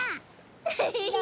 ウフフフ。